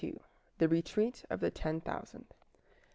THE RETREAT OF THE TEN THOUSAND.